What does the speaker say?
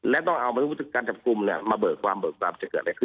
และต้องเอาบัตรศึกการจับกลุ่มเนี่ย